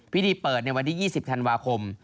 พิธีเปิดในวันที่๒๐ธันวาคม